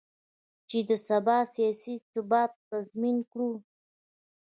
چې د سبا سیاسي ثبات تضمین کړو.